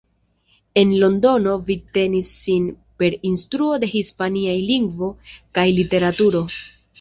En Londono vivtenis sin per instruo de hispanaj lingvo kaj literaturo.